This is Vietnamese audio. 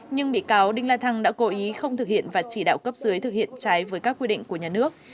nhưng bị cáo đinh la thăng đã cố ý không thực hiện và chỉ đạo cấp dưới thực hiện trái với các quy định của nhà nước